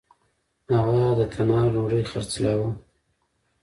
هغه د تنار ډوډۍ خرڅلاوه. .